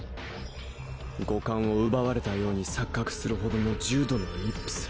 五感を奪われたように錯覚するほどの重度のイップス。